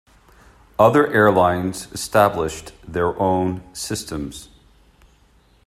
Other airlines established their own systems.